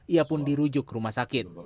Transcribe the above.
ia pun dirujuk ke rumah sakit